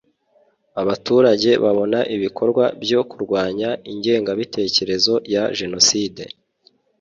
abaturage babona ibikorwa byo kurwanya ingengabitekerezo ya Jenoside